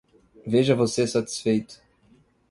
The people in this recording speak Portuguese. Veja você satisfeito!